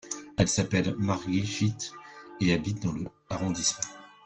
Elle s’appelle Margit et habite dans le arrondissement.